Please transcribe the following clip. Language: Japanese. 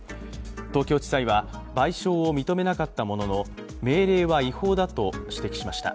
東京地裁は、賠償を認めなかったものの命令は違法だと指摘しました。